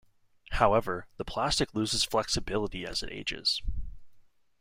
However, the plastic loses flexibility as it ages.